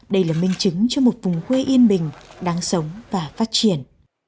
đây là minh chứng cho một vùng quê yên bình đáng sống và phát triển